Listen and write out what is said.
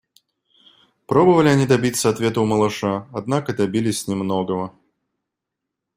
Пробовали они добиться ответа у малыша, однако добились немногого.